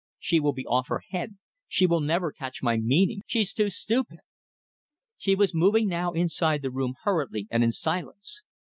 She will be off her head. She will never catch my meaning. She's too stupid. She was moving now inside the room hurriedly and in silence.